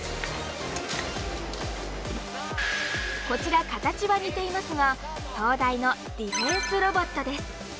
こちら形は似ていますが東大のディフェンスロボットです。